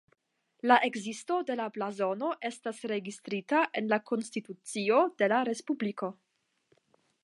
La ekzisto de la blazono estas registrita en la konstitucio de la respubliko.